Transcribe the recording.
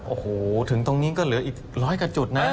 โอ้โหถึงตรงนี้ก็เหลืออีกร้อยกว่าจุดนะ